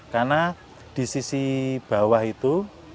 karena di sisi bawah itu